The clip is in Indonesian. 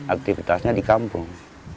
aktivitasnya di kampung